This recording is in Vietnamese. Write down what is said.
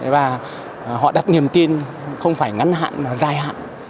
và họ đặt niềm tin không phải ngắn hạn dài hạn